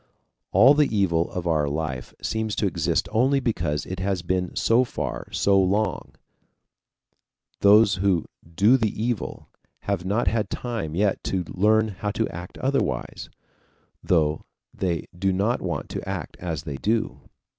All the evil of our life seems to exist only because it has been so for so long; those who do the evil have not had time yet to learn how to act otherwise, though they do not want to act as they do.